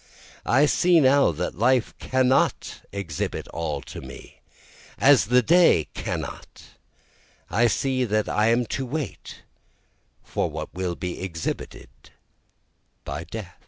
O I see now that life cannot exhibit all to me, as the day cannot, I see that I am to wait for what will be exhibited by death.